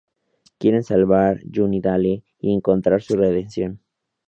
Quieren salvar Sunnydale y encontrar su redención.